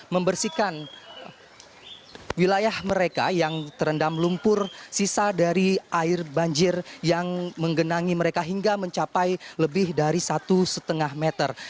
membersihkan wilayah mereka yang terendam lumpur sisa dari air banjir yang menggenangi mereka hingga mencapai lebih dari satu lima meter